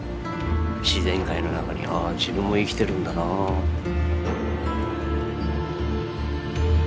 自然界の中にああ自分も生きてるんだなあって。